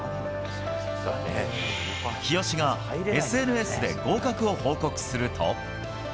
日吉がＳＮＳで合格を報告すると。